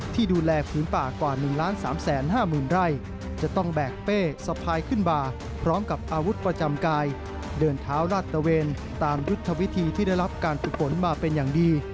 ที่ดูแลฝืนป่ากว่า๑๓๕๐๐๐ไร่